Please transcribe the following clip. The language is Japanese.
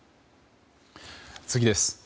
次です。